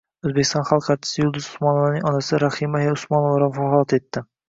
O‘zbekiston xalq artisti Yulduz Usmonovaning onasi Rahima aya Usmonova vafot etdi